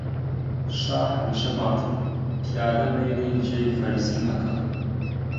شا هەمیشە ماتە، پیادە مەیلی جێی فەرزین ئەکا